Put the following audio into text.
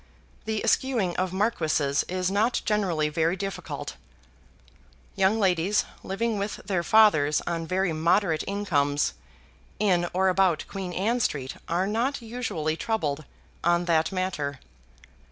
The eschewing of marquises is not generally very difficult. Young ladies living with their fathers on very moderate incomes in or about Queen Anne Street are not usually much troubled on that matter.